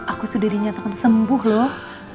aku sudah dinyatakan sembuh loh